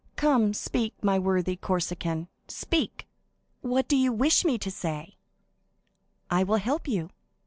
Come, speak, my worthy Corsican, speak!" "What do you wish me to say?" "I will help you.